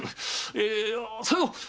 えさよう！